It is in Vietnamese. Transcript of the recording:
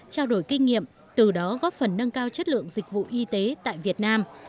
trao đổi kinh nghiệm từ đó góp phần nâng cao chất lượng dịch vụ y tế tại việt nam